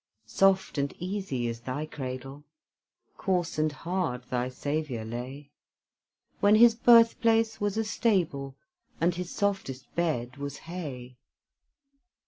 Soft and easy is thy cradle; Coarse and hard thy Saviour lay, When His birthplace was a stable, And His softest bed was hay.